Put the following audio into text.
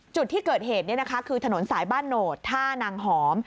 จุดที่เกิดเหตุคือถนนสายบ้านโหนดท่านางหอม